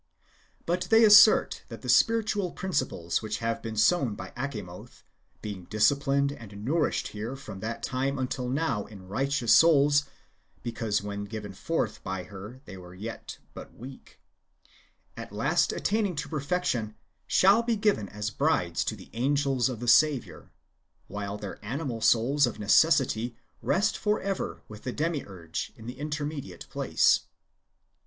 But they assert that the spiritual principles which have been sown by Achamoth, being disciplined and nourished here from that time until now in righteous souls (because when given forth by her they were yet but weak), at last attaining to perfection, shall be given as brides to the angels of the Saviour, while their animal souls of necessity rest for ever with the Demiurge in the intermediate place.